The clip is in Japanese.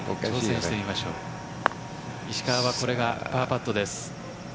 石川、これがパーパットです。